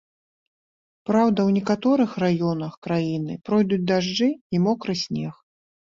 Праўда, у некаторых раёнах краіны пройдуць дажджы і мокры снег.